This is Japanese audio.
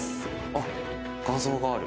あっ画像がある。